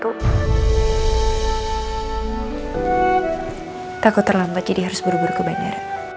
kita aku terlambat jadi harus buru buru ke bandara